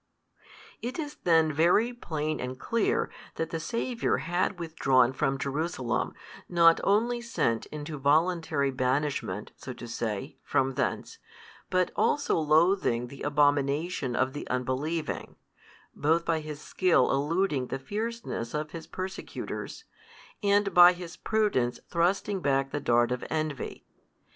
It is then very plain and clear, that the Saviour had withdrawn from Jerusalem, not only sent into voluntary banishment, so to say, from thence, but also loathing the abomination of the unbelieving, both by His skill eluding the fierceness of His persecutors, and by His prudence thrusting back the dart of envy.